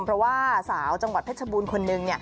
เพราะว่าสาวจังหวัดเพชรบูรณ์คนหนึ่ง